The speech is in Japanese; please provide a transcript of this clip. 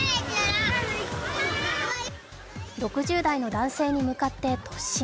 ６０代の男性に向かって突進。